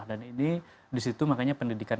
dan ini di situ makanya pendidikan